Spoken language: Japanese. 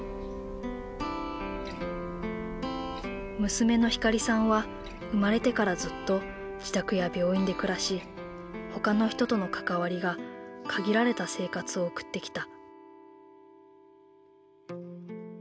娘のひかりさんは生まれてからずっと自宅や病院で暮らし他の人との関わりが限られた生活を送ってきた。